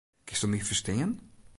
Kinsto my ferstean?